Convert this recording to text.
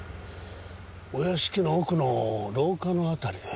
お屋敷の奥の廊下の辺りで。